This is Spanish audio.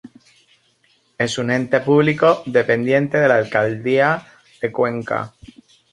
Es un ente público dependiente de la Alcaldía de Cuenca.